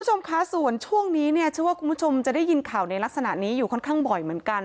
คุณผู้ชมคะส่วนช่วงนี้เนี่ยเชื่อว่าคุณผู้ชมจะได้ยินข่าวในลักษณะนี้อยู่ค่อนข้างบ่อยเหมือนกัน